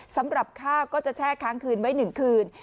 สำหรับข้าวก็จะแช่ค้างคืนไว้๑คืน